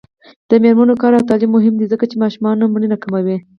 د میرمنو کار او تعلیم مهم دی ځکه چې ماشومانو مړینه کموي.